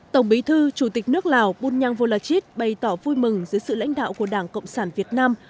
tổng bí thư chủ tịch nước lào bunyang volachit bày tỏ vui mừng giữa sự lãnh đạo của đảng cộng sản việt nam